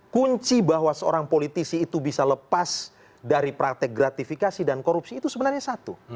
kunci bahwa seorang politisi itu bisa lepas dari praktek gratifikasi dan korupsi itu sebenarnya satu